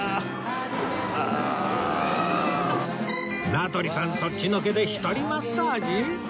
名取さんそっちのけで一人マッサージ！？